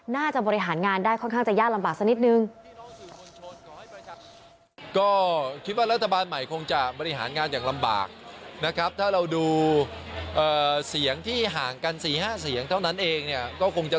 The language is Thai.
บริหารงานได้ค่อนข้างจะยากลำบากสักนิดนึง